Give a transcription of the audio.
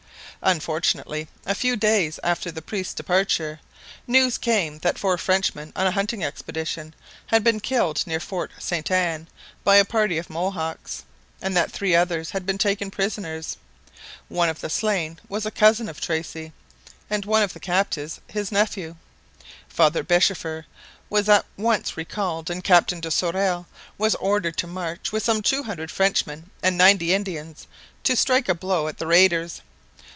Unfortunately, a few days after the priest's departure, news came that four Frenchmen on a hunting expedition had been killed near Fort Sainte Anne by a party of Mohawks, and that three others had been taken prisoners. One of the slain was a cousin of Tracy, and one of the captives his nephew. Father Beschefer was at once recalled and Captain de Sorel was ordered to march with some two hundred Frenchmen and ninety Indians to strike a blow at the raiders.